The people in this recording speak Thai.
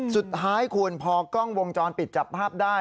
สุดท้ายคุณพอกล้องวงจรปิดจับภาพได้